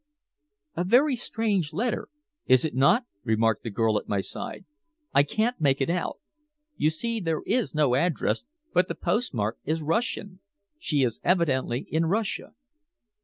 "A very strange letter, is it not?" remarked the girl at my side. "I can't make it out. You see there is no address, but the postmark is Russian. She is evidently in Russia."